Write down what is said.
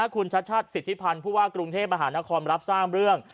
คุณชัดชาติศิษภัณฑ์ผู้ว่ากรุงเทพอาหาราคมรับสร้างเรื่อง